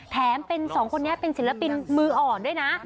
แถมเป็นสองคนนี้เป็นศิลปินมืออ่อนด้วยนะ